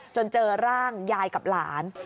จนเจอร่างยายกับหลาน